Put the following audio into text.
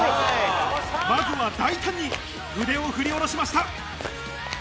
まずは大胆に筆を振り下ろしました。